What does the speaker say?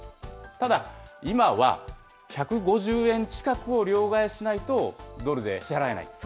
ただ、今は、１５０円近くを両替しないとドルで支払えない。